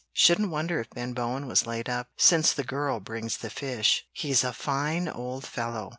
"Shouldn't wonder if Ben Bowen was laid up, since the girl brings the fish. He's a fine old fellow.